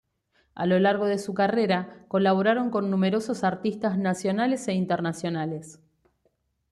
A lo largo de su carrera colaboraron con numerosos artistas nacionales e internacionales.